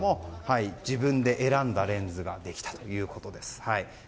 自分で選んだレンズができたということです。